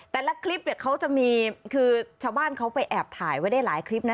แต่ละคลิปเนี่ยเขาจะมีคือชาวบ้านเขาไปแอบถ่ายไว้ได้หลายคลิปนะ